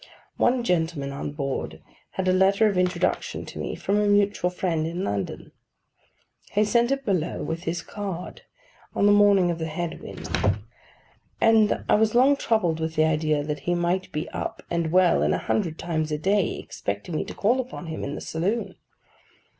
One gentleman on board had a letter of introduction to me from a mutual friend in London. He sent it below with his card, on the morning of the head wind; and I was long troubled with the idea that he might be up, and well, and a hundred times a day expecting me to call upon him in the saloon.